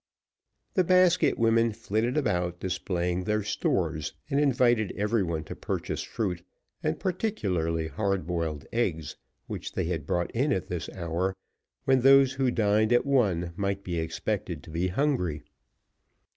The basket women flitted about displaying their stores, and invited every one to purchase fruit, and particularly hard boiled eggs, which they had brought in at this hour, when those who dined at one might be expected to be hungry.